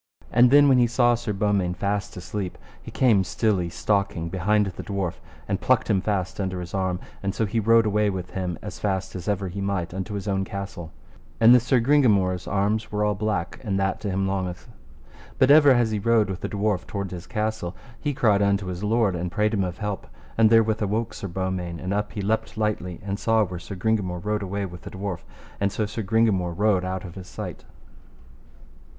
And then when he saw Sir Beaumains fast asleep, he came stilly stalking behind the dwarf, and plucked him fast under his arm, and so he rode away with him as fast as ever he might unto his own castle. And this Sir Gringamore's arms were all black, and that to him longeth. But ever as he rode with the dwarf toward his castle, he cried unto his lord and prayed him of help. And therewith awoke Sir Beaumains, and up he leapt lightly, and saw where Sir Gringamore rode his way with the dwarf, and so Sir Gringamore rode out of his sight.